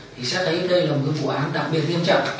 thì sẽ thấy đây là một vụ án đặc biệt nghiêm trọng